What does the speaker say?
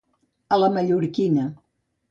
A la mallorquina.